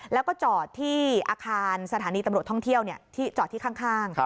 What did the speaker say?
แล้วก็จอดที่อาคารสถานีตำรวจท่องเที่ยวจอดที่ข้าง